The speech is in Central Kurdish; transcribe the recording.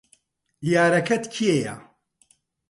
یارەکەت کێیە؟